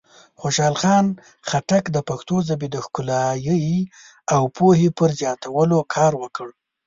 خوشحال خان خټک د پښتو ژبې د ښکلایۍ او پوهې پر زیاتولو کار وکړ.